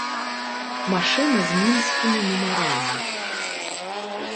Машына з мінскімі нумарамі.